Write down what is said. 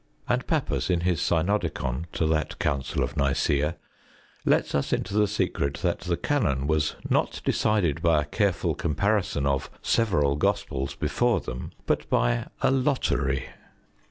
And Pappus, in his Synodicon to that Council of Nicea, lets us into the secret that the Canon was not decided by a careful comparison of several gospels before them, but by a lottery.